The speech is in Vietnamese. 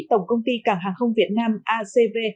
tổng công ty cảng hàng không việt nam acv